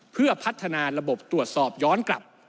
เพื่อพัฒนาระบบตรวจสอบย้อนกลับ